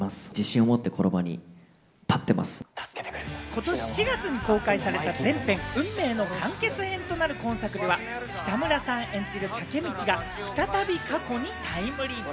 ことし４月に公開された前編・運命の完結編となる今作では、北村さん演じるタケミチが再び過去にタイムリープ。